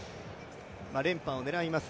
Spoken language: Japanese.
連覇を狙います